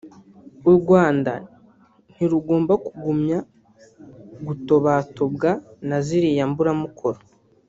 urwanda ntirugomba kugumya gutobatobwa na ziriya mburamukoro